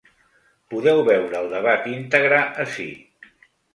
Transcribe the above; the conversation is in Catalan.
Podeu veure el debat íntegre ací.